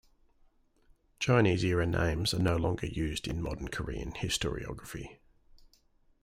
Chinese era names are no longer used in modern Korean historiography.